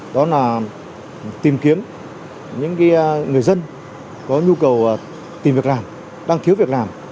đó là tìm kiếm những người dân có nhu cầu tìm việc làm đang thiếu việc làm